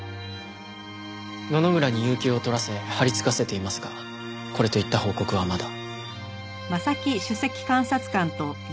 野々村に有休を取らせ張りつかせていますがこれといった報告はまだ。